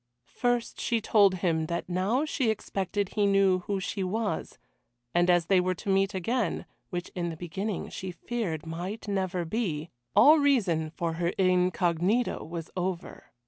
First she told him that now she expected he knew who she was, and as they were to meet again which in the beginning she feared might never be all reason for her incognito was over.